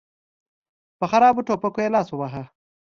په خرابو ټوپکو يې لاس وواهه.